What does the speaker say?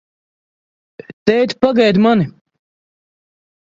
Tēt, pagaidi mani!